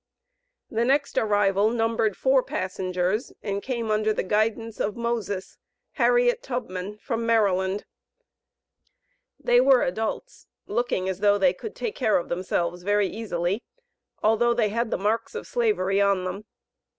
The next arrival numbered four passengers, and came under the guidance of "Moses" (Harriet Tubman), from Maryland. They were adults, looking as though they could take care of themselves very easily, although they had the marks of Slavery on them.